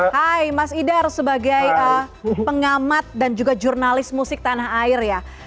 hai mas idhar sebagai pengamat dan juga jurnalis musik tanah air ya